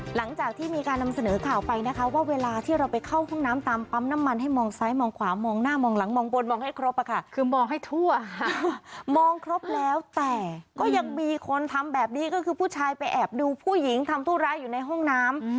หลังจากที่มีการนำเสนอข่าวไปนะคะว่าเวลาที่เราไปเข้าห้องน้ำตามปั๊มน้ำมันให้มองซ้ายมองขวามองหน้ามองหลังมองบนมองให้ครบอะค่ะคือมองให้ทั่วมองครบแล้วแต่ก็ยังมีคนทำแบบนี้ก็คือผู้ชายไปแอบดูผู้หญิงทำธุระอยู่ในห้องน้ำ